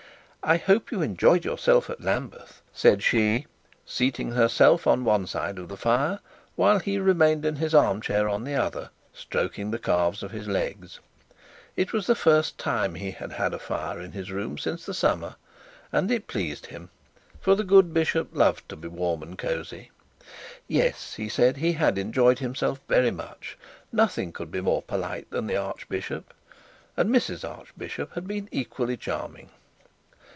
'I hope you enjoyed yourself at ' said she, seating herself on one side of the fire while he remained in his arm chair on the other, stroking the calves of his legs. It was the first time he had had a fire in his room since the summer, and it pleased him; for the good bishop loved to be warm and cosy. Nothing could be more polite than the archbishop; and Mrs Archbishop had been equally charming.